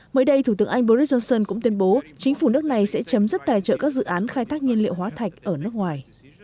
mới đây thủ tướng anh boris johnson cũng tuyên bố chính phủ nước này sẽ chấm dứt tài trợ các dự án khai thác nhiên liệu hóa thạch ở nước ngoài